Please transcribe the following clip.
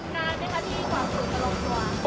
นานไม่ค่อยดีกว่าสูตรลงตัว